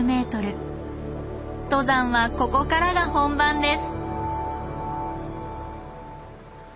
登山はここからが本番です。